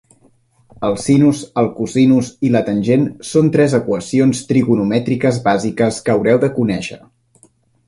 El sinus, el cosinus i la tangent són tres equacions trigonomètriques bàsiques que haureu de conèixer.